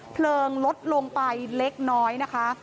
เพลิงลดลงไปเล็กน้อยนะคะ